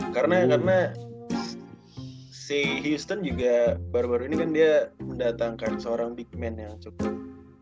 karena si hostton juga baru baru ini kan dia mendatangkan seorang big man yang cukup